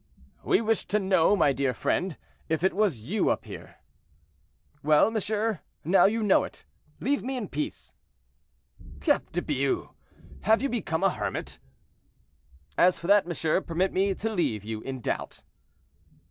"We wished to know, my dear friend, if it was you up here." "Well, monsieur, now you know it, leave me in peace." "Cap de Bious! have you become a hermit?" "As for that, monsieur, permit me to leave you in doubt."